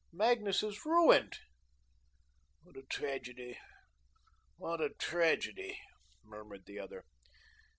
Magnus is ruined." "What a tragedy! what a tragedy!" murmured the other.